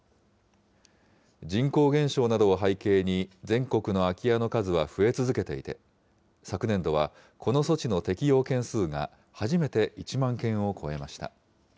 人口減少などを背景に、全国の空き家の数は増え続けていて、昨年度はこの措置の適用件数が、初めて１万件を超えました。